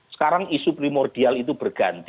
sekarang isu primordial itu berganti